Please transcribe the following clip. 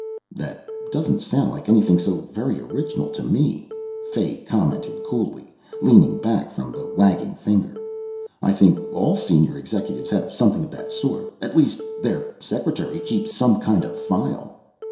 "That doesn't sound like anything so very original to me," Fay commented coolly, leaning back from the wagging finger. "I think all senior executives have something of that sort. At least, their secretary keeps some kind of file...."